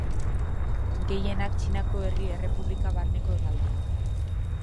Gehienak, Txinako Herri Errepublika barneko hegaldiak.